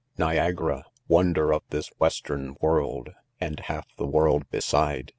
'Niagara ! wonder of this western world, And cfj the world beside!